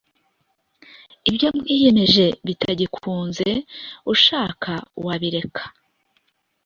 ibyo mwiyemeje bitagikunze ushaka wabireka